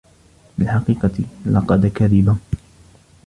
في الحقيقة، لقد كذب.